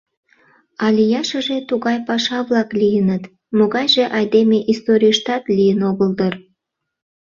А лияшыже тугай паша-влак лийыныт, могайже айдеме историйыштат лийын огыл дыр.